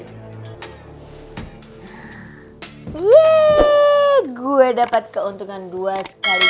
yeay gue dapat keuntungan dua sekali